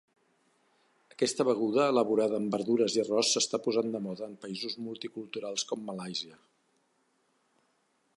Aquesta beguda elaborada amb verdures i arròs s'està posant de moda en països multiculturals com Malàisia.